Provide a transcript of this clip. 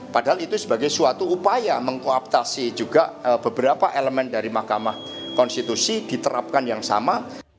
padahal itu sebagai suatu upaya mengkooptasi juga beberapa elemen dari mahkamah konstitusi diterapkan yang sama